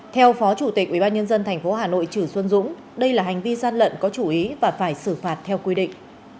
theo phó chủ tịch ubnd thành phố hà nội trữ xuân dũng đây là hành vi gian lận có chủ ý và phải xử phạt theo quy định